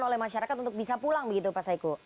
oleh masyarakat untuk bisa pulang begitu pak saiku